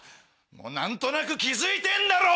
もう何となく気付いてんだろ！